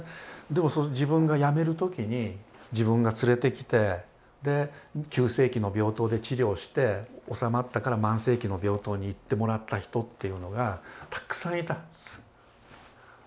でも自分が辞める時に自分が連れてきて急性期の病棟で治療して収まったから慢性期の病棟に行ってもらった人っていうのがたくさんいたんです。